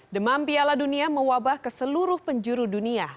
demam piala dunia mewabah ke seluruh penjuru dunia